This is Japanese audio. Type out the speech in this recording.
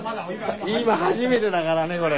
今初めてだからねこれ。